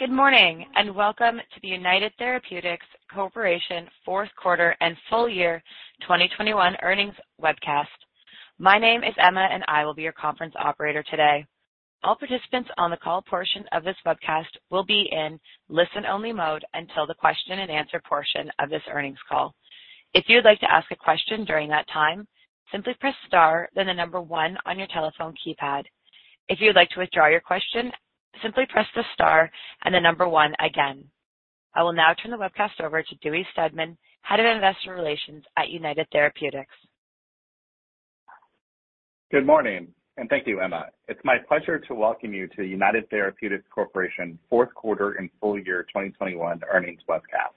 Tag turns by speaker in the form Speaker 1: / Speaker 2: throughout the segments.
Speaker 1: Good morning, and welcome to the United Therapeutics Corporation Q4 and full year 2021 earnings webcast. My name is Emma, and I will be your conference operator today. All participants on the call portion of this webcast will be in listen-only mode until the question and answer portion of this earnings call. If you'd like to ask a question during that time, simply press star, then the number one on your telephone keypad. If you'd like to withdraw your question, simply press the star and the number one again. I will now turn the webcast over to Dewey Steadman, Head of Investor Relations at United Therapeutics.
Speaker 2: Good morning, and thank you, Emma. It's my pleasure to welcome you to United Therapeutics Corporation Q4 and full year 2021 earnings webcast.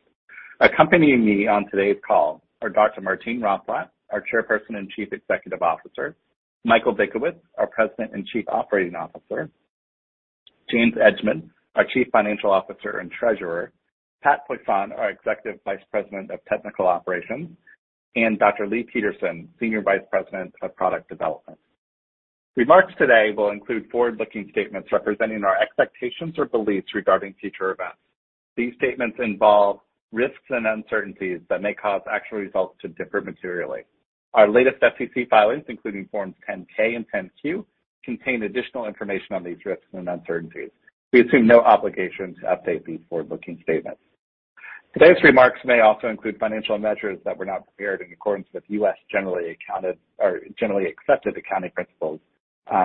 Speaker 2: Accompanying me on today's call are Dr. Martine Rothblatt, our Chairperson and Chief Executive Officer, Michael Benkowitz, our President and Chief Operating Officer, James Edgemond, our Chief Financial Officer and Treasurer, Patrick Poisson, our Executive Vice President of Technical Operations, and Dr. Leigh Peterson, Senior Vice President of Product Development. Remarks today will include forward-looking statements representing our expectations or beliefs regarding future events. These statements involve risks and uncertainties that may cause actual results to differ materially. Our latest SEC filings, including forms 10-K and 10-Q, contain additional information on these risks and uncertainties. We assume no obligation to update these forward-looking statements. Today's remarks may also include financial measures that were not prepared in accordance with U.S. generally accepted accounting principles.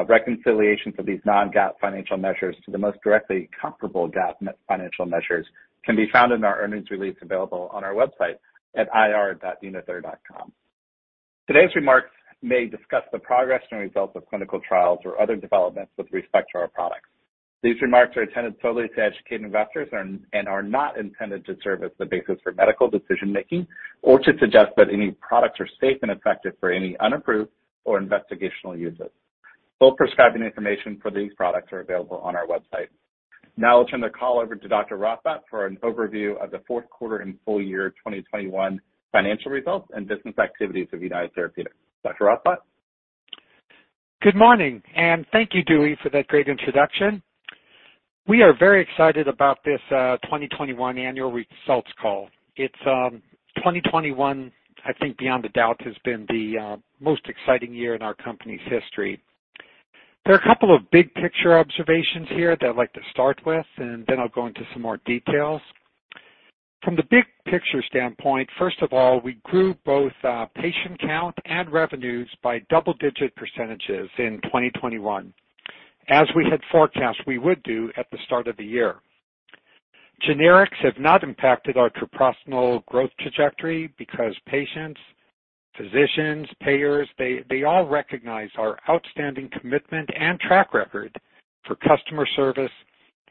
Speaker 2: Reconciliation for these non-GAAP financial measures to the most directly comparable GAAP financial measures can be found in our earnings release available on our website at ir.unither.com. Today's remarks may discuss the progress and results of clinical trials or other developments with respect to our products. These remarks are intended solely to educate investors and are not intended to serve as the basis for medical decision-making or to suggest that any products are safe and effective for any unapproved or investigational uses. Full prescribing information for these products are available on our website. Now I'll turn the call over to Dr. Rothblatt for an overview of the Q4 and full year 2021 financial results and business activities of United Therapeutics. Dr. Rothblatt.
Speaker 3: Good morning, and thank you, Dewey, for that great introduction. We are very excited about this 2021 annual results call. It's 2021, I think beyond a doubt, has been the most exciting year in our company's history. There are a couple of big-picture observations here that I'd like to start with, and then I'll go into some more details. From the big picture standpoint, first of all, we grew both patient count and revenues by double-digit percentages in 2021, as we had forecast we would do at the start of the year. Generics have not impacted our proportional growth trajectory because patients, physicians, payers, they all recognize our outstanding commitment and track record for customer service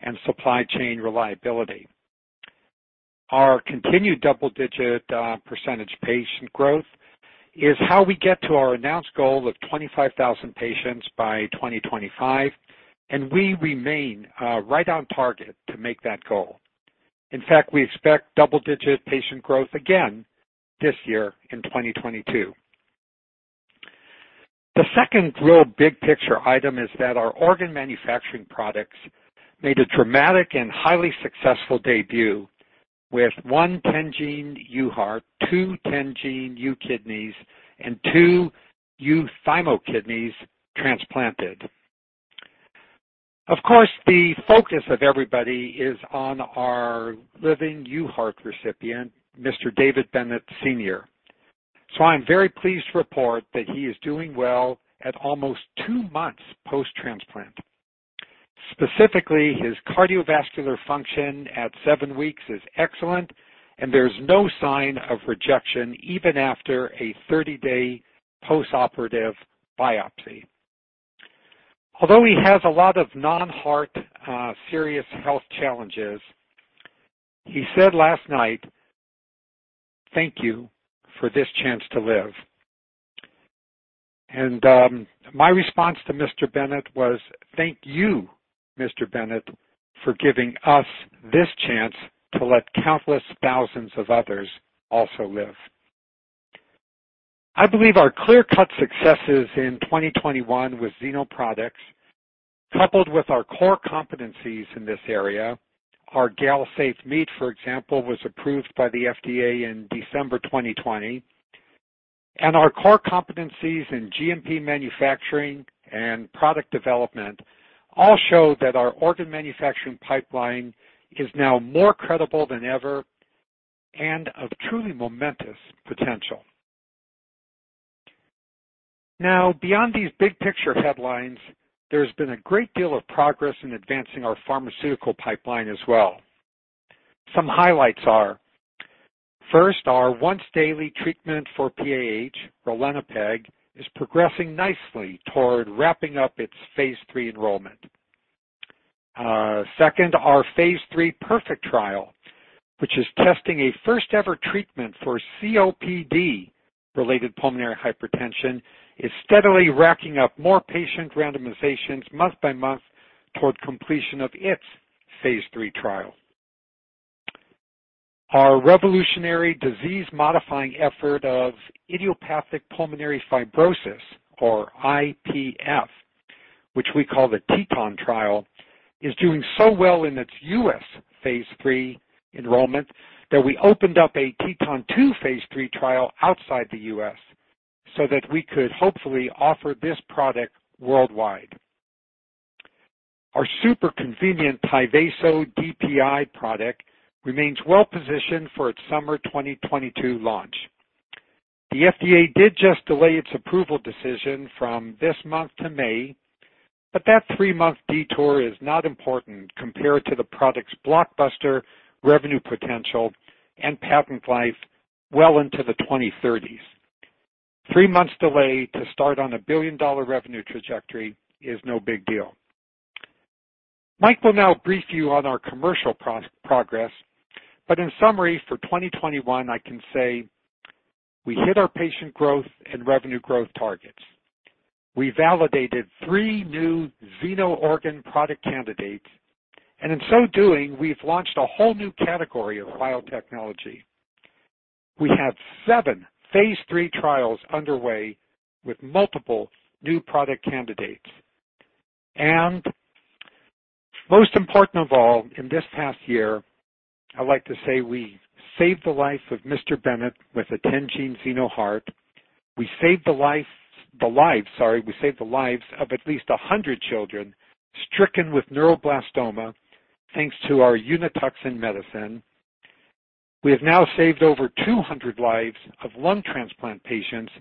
Speaker 3: and supply chain reliability. Our continued double-digit percentage patient growth is how we get to our announced goal of 25,000 patients by 2025, and we remain right on target to make that goal. In fact, we expect double-digit patient growth again this year in 2022. The second real big-picture item is that our organ manufacturing products made a dramatic and highly successful debut with one 10-gene UHeart, two 10-gene UKidneys, and two uThymoKidneys transplanted. Of course, the focus of everybody is on our living UHeart recipient, Mr. David Bennett Sr. I'm very pleased to report that he is doing well at almost two months post-transplant. Specifically, his cardiovascular function at seven weeks is excellent and there's no sign of rejection even after a 30-day postoperative biopsy. Although he has a lot of non-heart, serious health challenges, he said last night, "Thank you for this chance to live." My response to Mr. Bennett was, "Thank you, Mr. Bennett, for giving us this chance to let countless thousands of others also live." I believe our clear-cut successes in 2021 with Xeno products, coupled with our core competencies in this area, our GalSafe meat, for example, was approved by the FDA in December 2020. Our core competencies in GMP manufacturing and product development all show that our organ manufacturing pipeline is now more credible than ever and of truly momentous potential. Now, beyond these big-picture headlines, there's been a great deal of progress in advancing our pharmaceutical pipeline as well. Some highlights are, first, our once daily treatment for PAH, ralinepag, is progressing nicely toward wrapping up its phase III enrollment. Second, our phase III PERFECT trial, which is testing a first-ever treatment for COPD-related pulmonary hypertension, is steadily racking up more patient randomizations month by month toward completion of its phase III trial. Our revolutionary disease modifying effort of idiopathic pulmonary fibrosis or IPF, which we call the TETON trial, is doing so well in its U.S. phase III enrollment that we opened up a TETON 2 phase III trial outside the U.S. so that we could hopefully offer this product worldwide. Our super convenient Tyvaso DPI product remains well positioned for its summer 2022 launch. The FDA did just delay its approval decision from this month to May, but that three-month detour is not important compared to the product's blockbuster revenue potential and patent life well into the 2030s. Three months delay to start on a billion-dollar revenue trajectory is no big deal. Mike will now brief you on our commercial progress, but in summary for 2021, I can say we hit our patient growth and revenue growth targets. We validated three new Xeno organ product candidates, and in so doing, we've launched a whole new category of biotechnology. We have seven phase III trials underway with multiple new product candidates. Most important of all, in this past year, I'd like to say we saved the life of Mr. Bennett with a 10-gene xenoheart. We saved the lives of at least 100 children stricken with neuroblastoma, thanks to our Unituxin medicine. We have now saved over 200 lives of lung transplant patients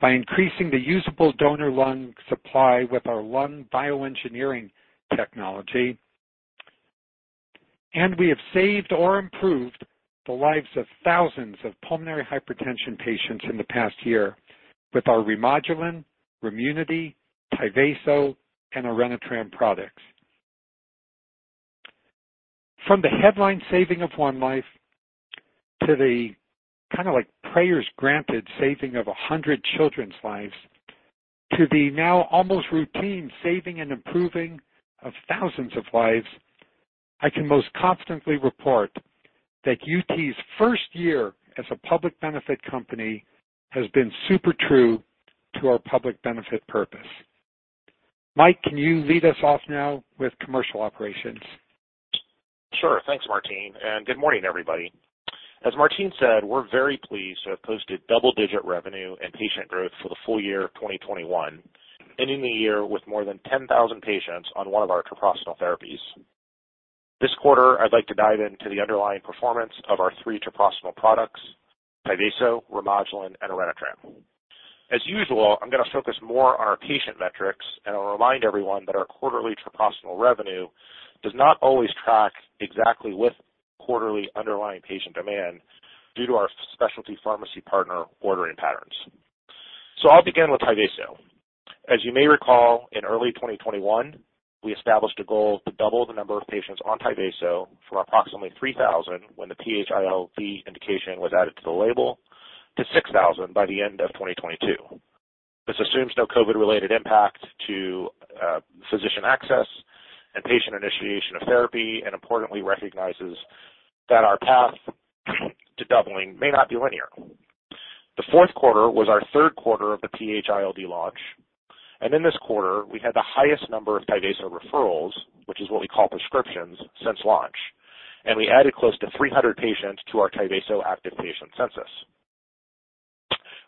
Speaker 3: by increasing the usable donor lung supply with our lung bioengineering technology. We have saved or improved the lives of thousands of pulmonary hypertension patients in the past year with our Remodulin, Remunity, Tyvaso, and Orenitram products. From the headline saving of one life to the kind of like prayers granted saving of 100 children's lives to the now almost routine saving and improving of thousands of lives, I can most confidently report that UT's first year as a public benefit company has been super true to our public benefit purpose. Mike, can you lead us off now with commercial operations?
Speaker 4: Sure. Thanks, Martine, and good morning, everybody. As Martine said, we're very pleased to have posted double-digit revenue and patient growth for the full year of 2021, ending the year with more than 10,000 patients on one of our treprostinil therapies. This quarter, I'd like to dive into the underlying performance of our three treprostinil products, Tyvaso, Remodulin, and Orenitram. As usual, I'm gonna focus more on our patient metrics and I'll remind everyone that our quarterly treprostinil revenue does not always track exactly with quarterly underlying patient demand due to our specialty pharmacy partner ordering patterns. I'll begin with Tyvaso. As you may recall, in early 2021, we established a goal to double the number of patients on Tyvaso from approximately 3,000 when the PH-ILD indication was added to the label to 6,000 by the end of 2022. This assumes no COVID-related impact to physician access and patient initiation of therapy, and importantly recognizes that our path to doubling may not be linear. The Q4 was our Q3 of the PH-ILD launch, and in this quarter, we had the highest number of Tyvaso referrals, which is what we call prescriptions, since launch. We added close to 300 patients to our Tyvaso active patient census.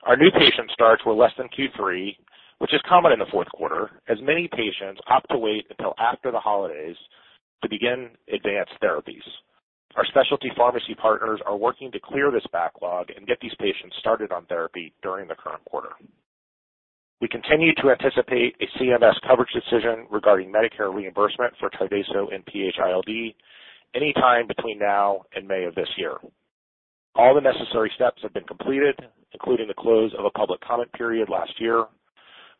Speaker 4: Our new patient starts were less than Q3, which is common in the Q4, as many patients opt to wait until after the holidays to begin advanced therapies. Our specialty pharmacy partners are working to clear this backlog and get these patients started on therapy during the current quarter. We continue to anticipate a CMS coverage decision regarding Medicare reimbursement for Tyvaso and PH-ILD anytime between now and May of this year. All the necessary steps have been completed, including the close of a public comment period last year.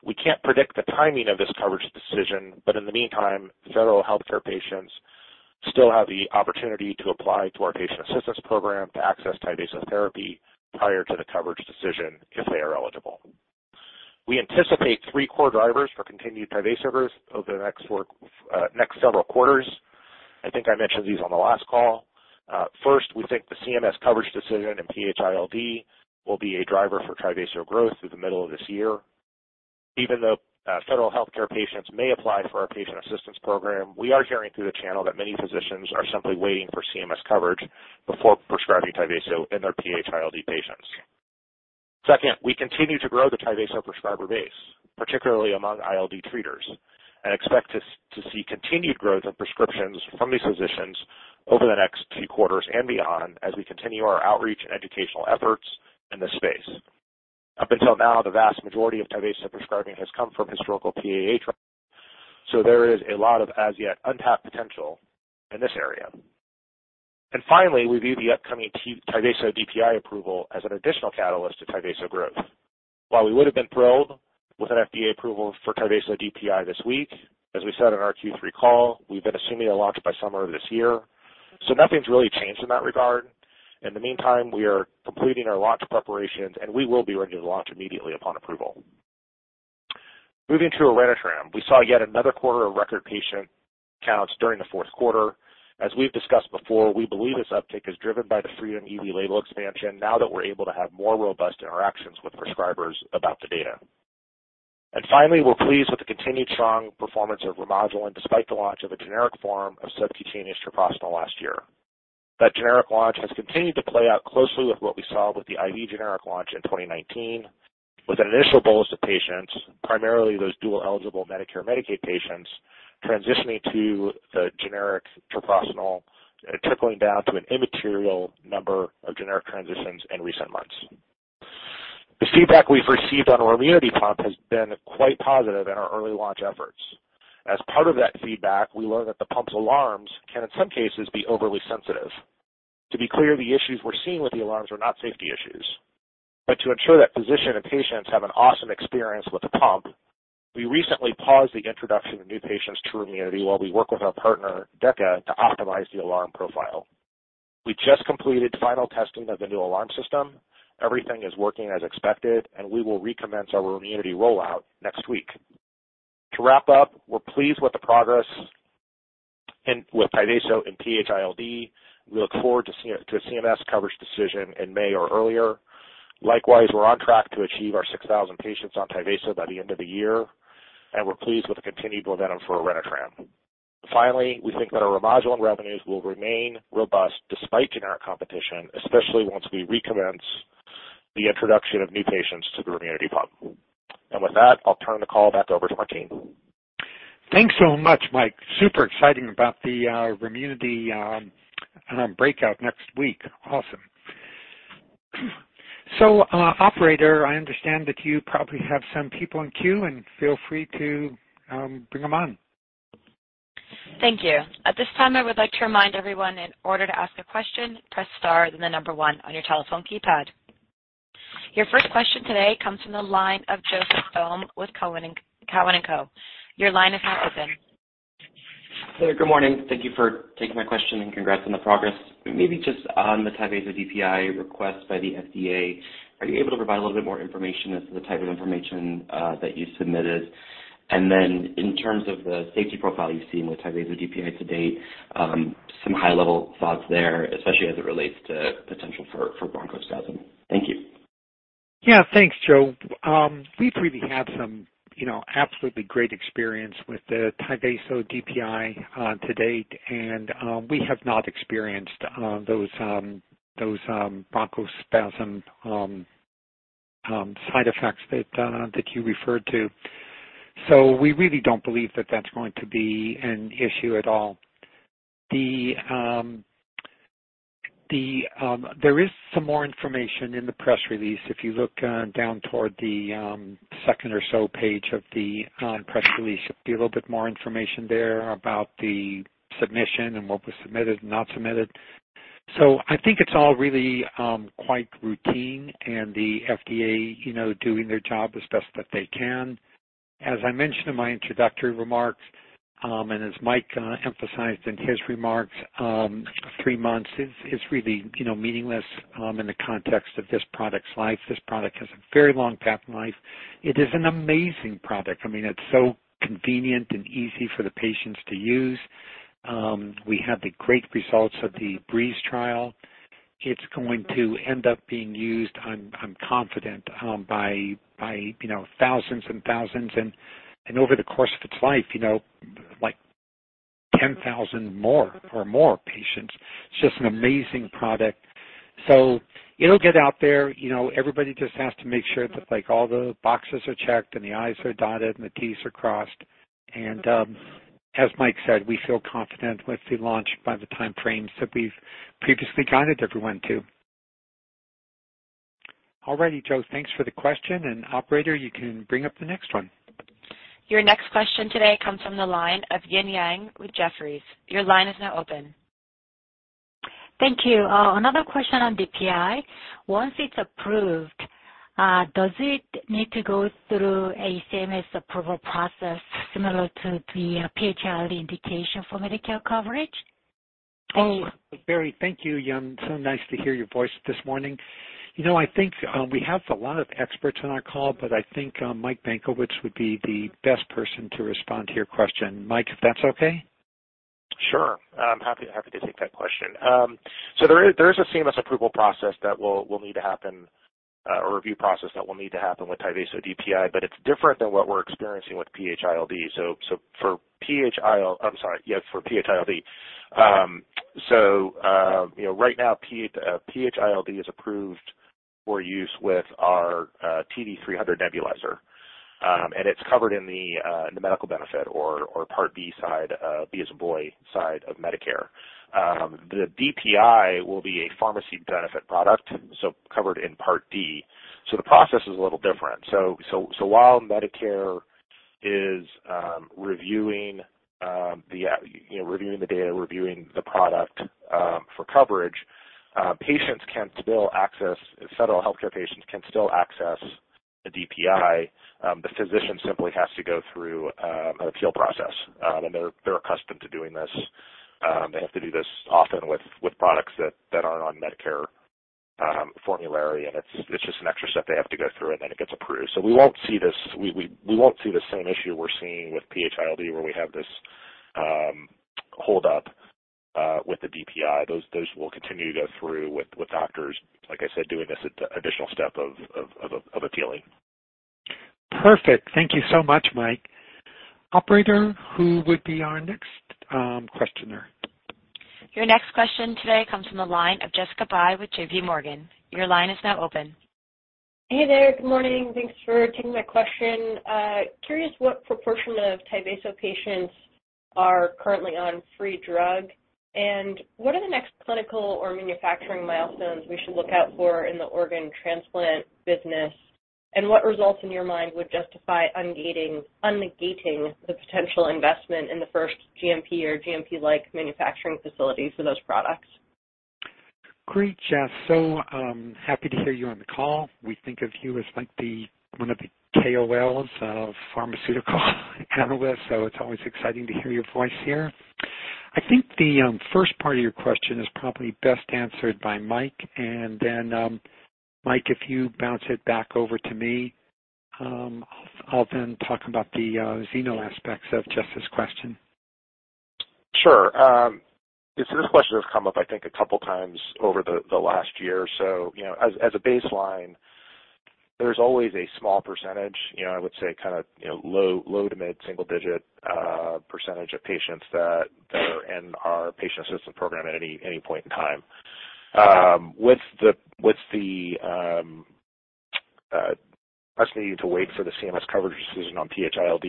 Speaker 4: We can't predict the timing of this coverage decision, but in the meantime, federal healthcare patients still have the opportunity to apply to our patient assistance program to access Tyvaso therapy prior to the coverage decision if they are eligible. We anticipate three core drivers for continued Tyvaso growth over the next several quarters. I think I mentioned these on the last call. First, we think the CMS coverage decision in PH-ILD will be a driver for Tyvaso growth through the middle of this year. Even though federal healthcare patients may apply for our patient assistance program, we are hearing through the channel that many physicians are simply waiting for CMS coverage before prescribing Tyvaso in their PH-ILD patients. Second, we continue to grow the Tyvaso prescriber base, particularly among ILD treaters, and expect to see continued growth in prescriptions from these physicians over the next few quarters and beyond as we continue our outreach and educational efforts in this space. Up until now, the vast majority of Tyvaso prescribing has come from historical PAH. Moving to Orenitram, we saw yet another quarter of record patient counts during the Q4. As we've discussed before, we believe this uptick is driven by the FREEDOM-EV label expansion now that we're able to have more robust interactions with prescribers about the data. Finally, we're pleased with the continued strong performance of Remodulin despite the launch of a generic form of subcutaneous treprostinil last year. That generic launch has continued to play out closely with what we saw with the IV generic launch in 2019, with an initial bolus of patients, primarily those dual-eligible Medicare/Medicaid patients, transitioning to the generic treprostinil, trickling down to an immaterial number of generic transitions in recent months. The feedback we've received on our Remunity pump has been quite positive in our early launch efforts. As part of that feedback, we learned that the pump's alarms can, in some cases, be overly sensitive. To be clear, the issues we're seeing with the alarms are not safety issues. To ensure that physicians and patients have an awesome experience with the pump, we recently paused the introduction of new patients to Remunity while we work with our partner, DEKA, to optimize the alarm profile. We just completed final testing of the new alarm system. Everything is working as expected, and we will recommence our Remunity rollout next week. To wrap up, we're pleased with the progress and with Tyvaso and PH-ILD. We look forward to seeing a CMS coverage decision in May or earlier. Likewise, we're on track to achieve our 6,000 patients on Tyvaso by the end of the year, and we're pleased with the continued momentum for Orenitram. Finally, we think that our Remodulin revenues will remain robust despite generic competition, especially once we recommence the introduction of new patients to the Remunity pump. With that, I'll turn the call back over to Marty.
Speaker 3: Thanks so much, Mike. Super exciting about the Remunity breakout next week. Awesome. Operator, I understand that you probably have some people in queue and feel free to bring them on.
Speaker 1: Thank you. At this time, I would like to remind everyone in order to ask a question, press star, then the number one on your telephone keypad. Your first question today comes from the line of Joseph Thome with Cowen and Co. Your line is now open.
Speaker 5: Good morning. Thank you for taking my question and congrats on the progress. Maybe just on the Tyvaso DPI request by the FDA. Are you able to provide a little bit more information as to the type of information that you submitted? And then in terms of the safety profile you've seen with Tyvaso DPI to date, some high-level thoughts there, especially as it relates to potential for bronchospasm. Thank you.
Speaker 3: Yeah. Thanks, Joe. We've really had some, you know, absolutely great experience with the Tyvaso DPI to date. We have not experienced those bronchospasm side effects that you referred to. We really don't believe that that's going to be an issue at all. There is some more information in the press release. If you look down toward the second or so page of the press release, there should be a little bit more information there about the submission and what was submitted and not submitted. I think it's all really quite routine and the FDA, you know, doing their job as best that they can. As I mentioned in my introductory remarks, and as Mike emphasized in his remarks, three months is really, you know, meaningless in the context of this product's life. This product has a very long patent life. It is an amazing product. I mean, it's so convenient and easy for the patients to use. We have the great results of the BREEZE trial. It's going to end up being used, I'm confident, by, you know, thousands and thousands and over the course of its life, you know, like 10,000 more or more patients. It's just an amazing product. It'll get out there. You know, everybody just has to make sure that, like, all the boxes are checked and the i's are dotted and the t's are crossed. as Mike said, we feel confident with the launch by the time frames that we've previously guided everyone to. All righty, Joe. Thanks for the question. operator, you can bring up the next one.
Speaker 1: Your next question today comes from the line of Eun Yang with Jefferies. Your line is now open.
Speaker 6: Thank you. Another question on DPI. Once it's approved, does it need to go through a CMS approval process similar to the PH-ILD indication for Medicare coverage?
Speaker 3: Oh, Barry, thank you, Eun. Nice to hear your voice this morning. You know, I think we have a lot of experts on our call, but I think Mike Benkowitz would be the best person to respond to your question. Mike, if that's okay.
Speaker 4: Sure. I'm happy to take that question. There is a seamless approval process that will need to happen or review process that will need to happen with Tyvaso DPI, but it's different than what we're experiencing For PH-ILD. You know, right now PH-ILD is approved for use with our TD-300 nebulizer, and it's covered in the medical benefit or Part B side, B as in boy side of Medicare. The DPI will be a pharmacy benefit product, so covered in Part D. The process is a little different. While Medicare is reviewing, you know, reviewing the data, reviewing the product for coverage, Federal healthcare patients can still access the DPI. The physician simply has to go through an appeal process. They're accustomed to doing this. They have to do this often with products that aren't on Medicare formulary and it's just an extra step they have to go through, and then it gets approved. We won't see this. We won't see the same issue we're seeing with PH-ILD where we have this hold up with the DPI. Those will continue to go through with doctors, like I said, doing this additional step of appealing.
Speaker 3: Perfect. Thank you so much, Mike. Operator, who would be our next questioner?
Speaker 1: Your next question today comes from the line of Jessica Fye with JPMorgan. Your line is now open.
Speaker 7: Hey there. Good morning. Thanks for taking my question. Curious what proportion of Tyvaso patients are currently on free drug, and what are the next clinical or manufacturing milestones we should look out for in the organ transplant business? And what results in your mind would justify ungating, unnegating the potential investment in the first GMP or GMP-like manufacturing facilities for those products?
Speaker 3: Great, Jess. Happy to hear you on the call. We think of you as like the one of the KOLs of pharmaceutical analysts, so it's always exciting to hear your voice here. I think the first part of your question is probably best answered by Mike. Then, Mike, if you bounce it back over to me, I'll then talk about the Xeno aspects of Jess's question.
Speaker 4: Sure. This question has come up I think a couple times over the last year or so. You know, as a baseline, there's always a small percentage, you know, I would say kinda, you know, low to mid-single digit percentage of patients that are in our patient assistance program at any point in time. With the us needing to wait for the CMS coverage decision on PH-ILD,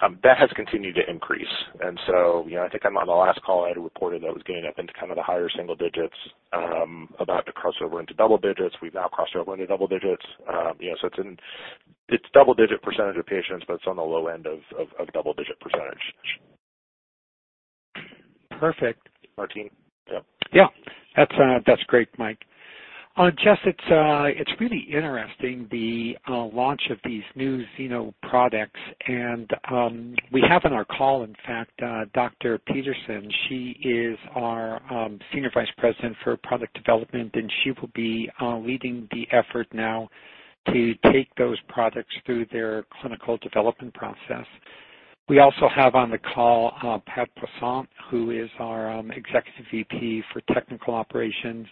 Speaker 4: that has continued to increase. You know, I think on the last call I had reported that was getting up into kind of the higher single digits, about to cross over into double digits. We've now crossed over into double digits. You know, so it's double-digit percentage of patients, but it's on the low end of double-digit percentage.
Speaker 3: Perfect.
Speaker 8: Martine. Yep.
Speaker 3: Yeah. That's great, Mike. Jess, it's really interesting, the launch of these new Xeno products. We have on our call, in fact, Dr. Leigh Peterson. She is our Senior Vice President for product development, and she will be leading the effort now to take those products through their clinical development process. We also have on the call, Pat Poisson, who is our Executive Vice President for technical operations.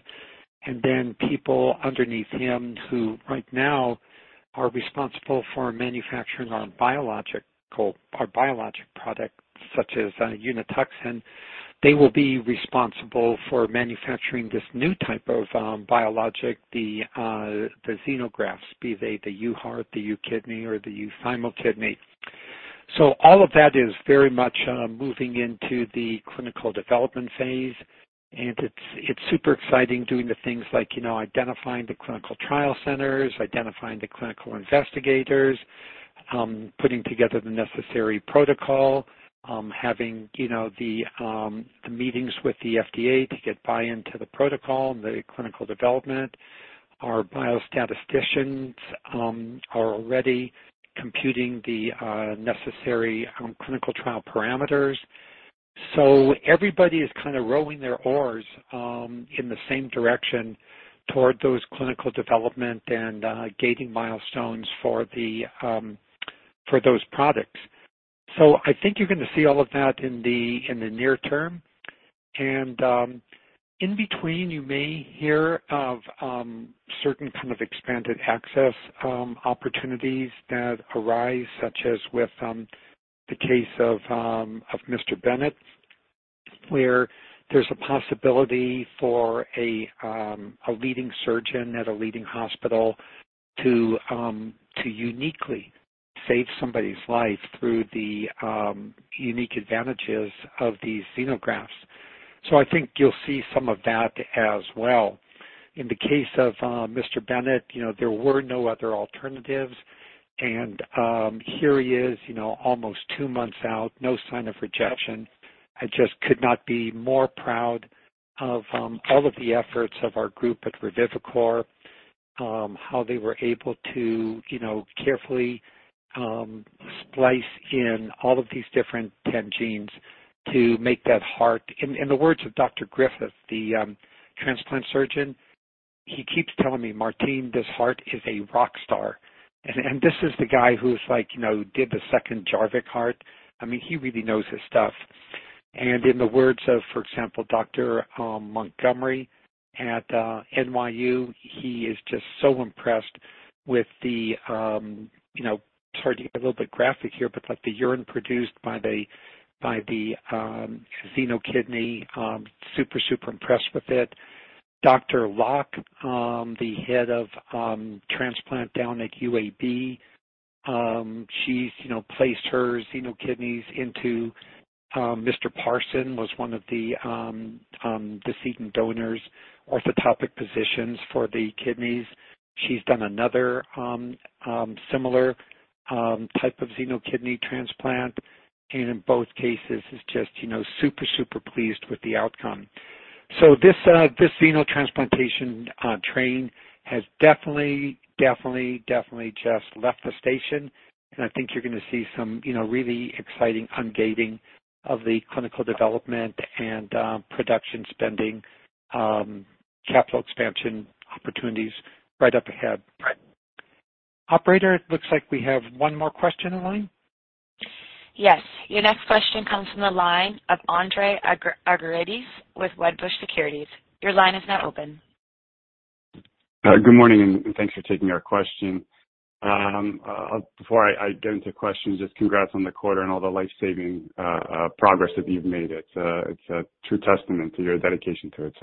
Speaker 3: Then people underneath him who right now are responsible for manufacturing our biologic products such as Unituxin. They will be responsible for manufacturing this new type of biologic, the xenografts, be they the UHeart, the UKidney, or the UThymoKidney. All of that is very much moving into the clinical development phase. It's super exciting doing the things like, you know, identifying the clinical trial centers, identifying the clinical investigators, putting together the necessary protocol, having, you know, the meetings with the FDA to get buy-in to the protocol and the clinical development. Our biostatisticians are already computing the necessary clinical trial parameters. Everybody is kinda rowing their oars in the same direction toward those clinical development and gating milestones for those products. I think you're gonna see all of that in the near term. In between, you may hear of certain kind of expanded access opportunities that arise, such as with the case of Mr. Bennett, where there's a possibility for a leading surgeon at a leading hospital to uniquely save somebody's life through the unique advantages of these xenografts. I think you'll see some of that as well. In the case of Mr. Bennett, you know, there were no other alternatives. Here he is, you know, almost two months out, no sign of rejection. I just could not be more proud of all of the efforts of our group at Revivicor, how they were able to, you know, carefully splice in all of these different 10 genes to make that heart. In the words of Dr. Griffith, the transplant surgeon, he keeps telling me, "Martine, this heart is a rock star." This is the guy who's like, you know, did the second Jarvik heart. I mean, he really knows his stuff. In the words of, for example, Dr. Montgomery at NYU, he is just so impressed with the, you know, sorry to get a little bit graphic here, but like the urine produced by the xenokidney, super impressed with it. Dr. Locke, the head of transplant down at UAB, she's, you know, placed her xenokidneys into Mr. Parsons, was one of the decedent donors orthotopic positions for the kidneys. She's done another similar type of xenokidney transplant. In both cases is just, you know, super pleased with the outcome. This xenotransplantation train has definitely just left the station. I think you're gonna see some, you know, really exciting ungating of the clinical development and, production spending, capital expansion opportunities right up ahead. Operator, it looks like we have one more question in line.
Speaker 1: Yes. Your next question comes from the line of Andreas Argyrides with Wedbush Securities. Your line is now open.
Speaker 9: Good morning, thanks for taking our question. Before I get into questions, just congrats on the quarter and all the life-saving progress that you've made. It's a true testament to your dedication to it.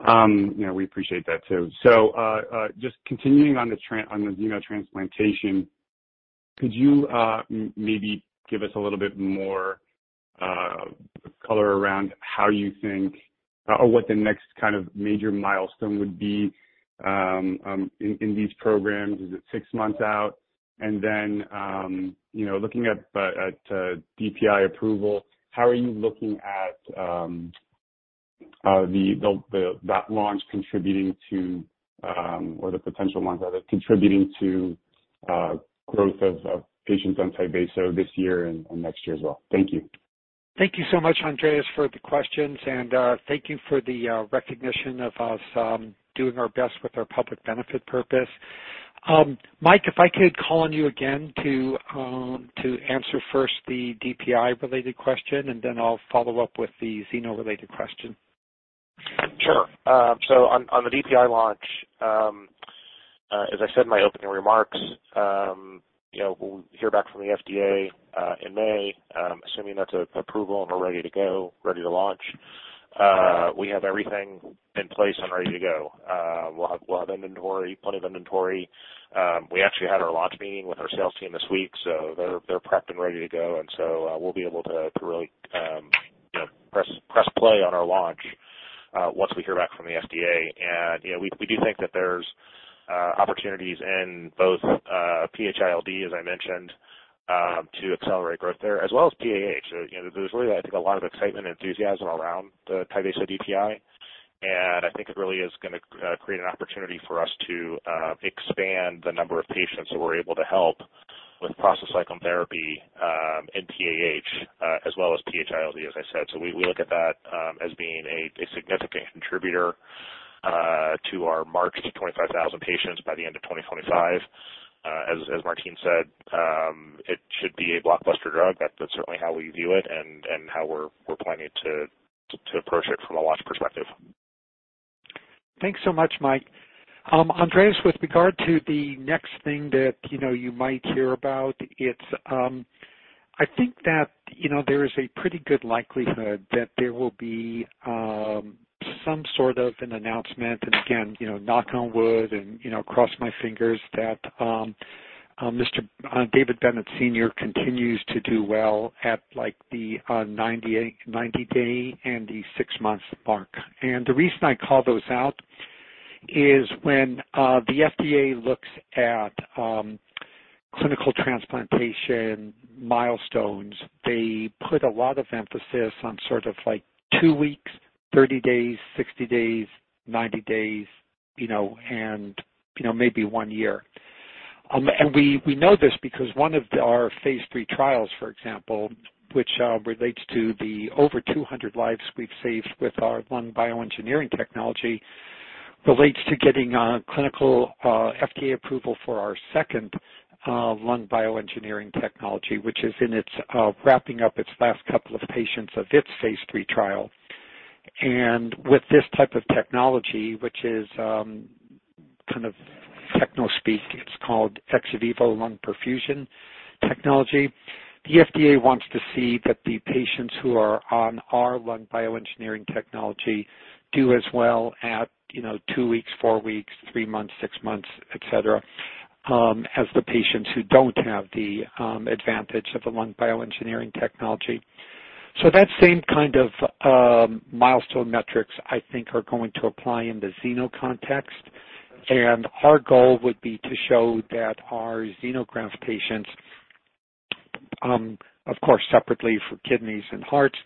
Speaker 9: You know, we appreciate that too. Just continuing on the xenotransplantation, could you maybe give us a little bit more color around how you think or what the next kind of major milestone would be in these programs? Is it six months out? You know, looking at DPI approval, how are you looking at that launch contributing to or the potential launch, rather, contributing to growth of patients on Tyvaso this year and next year as well? Thank you.
Speaker 3: Thank you so much, Andreas, for the questions, and thank you for the recognition of us doing our best with our public benefit purpose. Mike, if I could call on you again to answer first the DPI related question, and then I'll follow up with the Xeno related question.
Speaker 4: Sure. So on the DPI launch, as I said in my opening remarks, you know, we'll hear back from the FDA in May, assuming that's approval and we're ready to go, ready to launch. We have everything in place and ready to go. We'll have inventory, plenty of inventory. We actually had our launch meeting with our sales team this week, so they're prepped and ready to go. We'll be able to really, you know, press play on our launch once we hear back from the FDA. You know, we do think that there's opportunities in both PH-ILD, as I mentioned, to accelerate growth there as well as PAH. You know, there's really, I think, a lot of excitement and enthusiasm around the Tyvaso DPI, and I think it really is gonna create an opportunity for us to expand the number of patients that we're able to help with prostacyclin therapy in PAH, as well as PH-ILD, as I said. We look at that as being a significant contributor to our march to 25,000 patients by the end of 2025. As Martine said, it should be a blockbuster drug. That's certainly how we view it and how we're planning to approach it from a launch perspective.
Speaker 3: Thanks so much, Mike. Andreas, with regard to the next thing that, you know, you might hear about, it's, I think that, you know, there is a pretty good likelihood that there will be, some sort of an announcement. Again, you know, knock on wood and, you know, cross my fingers that, Mr. David Bennett Sr. continues to do well at, like, the, 90-day and the six month mark. The reason I call those out is when the FDA looks at clinical transplantation milestones, they put a lot of emphasis on sort of like two weeks, 30 days, 60 days, 90 days, and maybe one year. We know this because one of our phase III trials, for example, which relates to the over 200 lives we've saved with our lung bioengineering technology, relates to getting clinical FDA approval for our second lung bioengineering technology, which is wrapping up its last couple of patients of its phase III trial. With this type of technology, which is kind of techno speak, it's called ex vivo lung perfusion technology. The FDA wants to see that the patients who are on our lung bioengineering technology do as well at, you know, two weeks, four weeks, three months, six months, et cetera, as the patients who don't have the advantage of the lung bioengineering technology. That same kind of milestone metrics I think are going to apply in the xeno context. Our goal would be to show that our xenograft patients, of course separately for kidneys and hearts,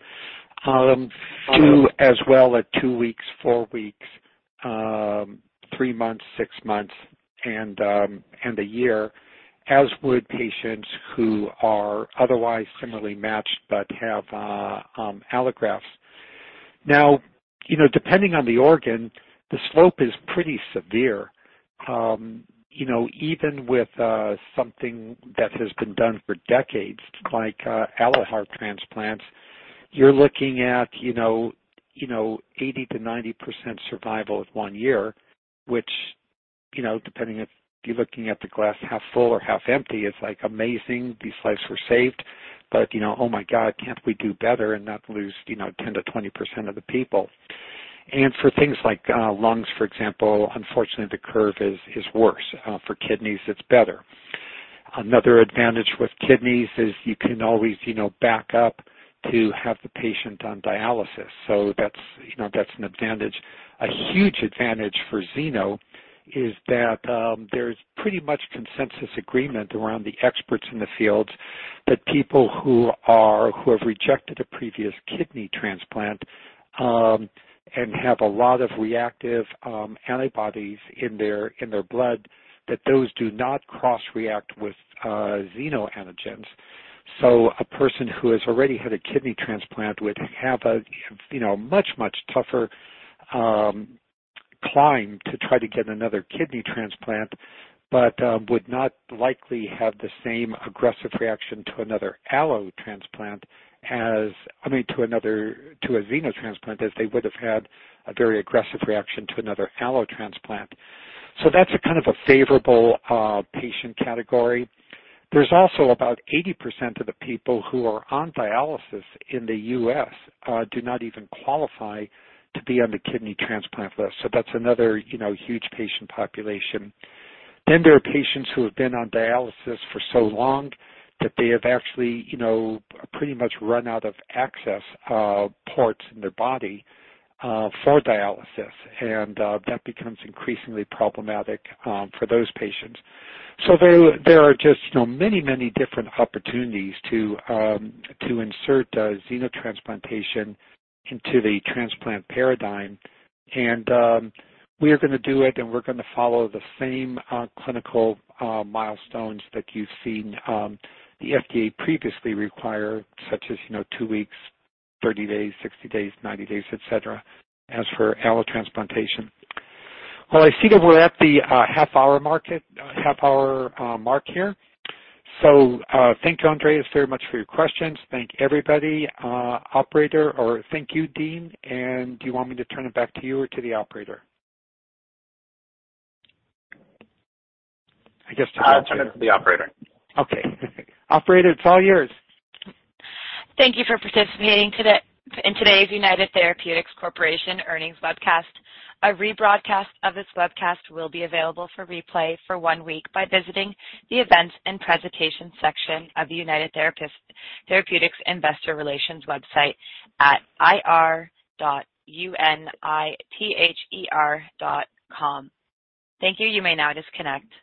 Speaker 3: do as well at two weeks, four weeks, three months, six months, and a year, as would patients who are otherwise similarly matched but have allografts. Now, you know, depending on the organ, the slope is pretty severe. You know, even with something that has been done for decades, like allo heart transplants, you're looking at, you know, 80%-90% survival at one year, which, you know, depending if you're looking at the glass half full or half empty, it's like amazing these lives were saved. You know, oh my God, can't we do better and not lose, you know, 10%-20% of the people? For things like lungs, for example, unfortunately the curve is worse. For kidneys, it's better. Another advantage with kidneys is you can always, you know, back up to have the patient on dialysis. That's, you know, that's an advantage. A huge advantage for xeno is that there's pretty much consensus agreement around the experts in the field that people who have rejected a previous kidney transplant and have a lot of reactive antibodies in their blood that those do not cross-react with xeno antigens. So a person who has already had a kidney transplant would have a you know much much tougher climb to try to get another kidney transplant but would not likely have the same aggressive reaction to another allotransplant I mean to a xenotransplant as they would have had a very aggressive reaction to another allotransplant. So that's a kind of a favorable patient category. There's also about 80% of the people who are on dialysis in the U.S. do not even qualify to be on the kidney transplant list. That's another, you know, huge patient population. There are patients who have been on dialysis for so long that they have actually, you know, pretty much run out of access ports in their body for dialysis. That becomes increasingly problematic for those patients. There are just, you know, many different opportunities to insert xenotransplantation into the transplant paradigm. We are gonna do it, and we're gonna follow the same clinical milestones that you've seen the FDA previously require, such as, you know, two weeks, 30 days, 60 days, 90 days, etc., as for allotransplantation. Well, I see that we're at the half-hour mark here. Thank you, Andreas Argyrides, very much for your questions. Thank everybody. Thank you, Dewey. Do you want me to turn it back to you or to the operator? I guess to you.
Speaker 2: Turn it to the operator.
Speaker 3: Okay. Operator, it's all yours.
Speaker 1: Thank you for participating today in today's United Therapeutics Corporation earnings webcast. A rebroadcast of this webcast will be available for replay for one week by visiting the Events and Presentation section of United Therapeutics Investor Relations website at ir.unither.com. Thank you. You may now disconnect.